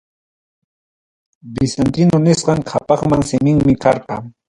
Bizantino nisqan qapaqpa siminmi karqa.